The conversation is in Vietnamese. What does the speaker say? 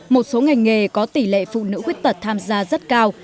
một số ngành nghề có tỷ lệ phụ nữ khuyết tật tham gia rất cao